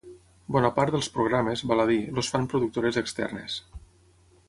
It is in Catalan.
Bona part dels programes, val a dir, els fan productores externes.